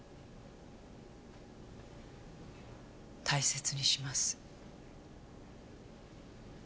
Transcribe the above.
大切にします。